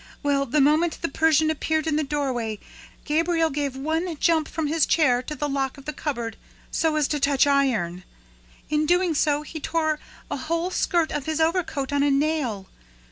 Well, the moment the Persian appeared in the doorway, Gabriel gave one jump from his chair to the lock of the cupboard, so as to touch iron! In doing so, he tore a whole skirt of his overcoat on a nail.